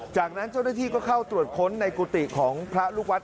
จากนั้นเจ้าหน้าที่ก็เข้าตรวจค้นในกุฏิของพระลูกวัด